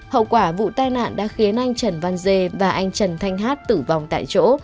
hậu quả vụ tai nạn đã khiến anh trần văn dê và anh trần thanh hát tử vong tại chỗ